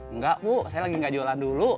enggak bu saya lagi nggak jualan dulu